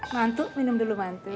mantuk minum dulu mantuk